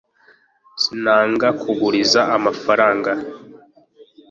sinanga kuguriza amafaranga